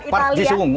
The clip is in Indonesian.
park ji sung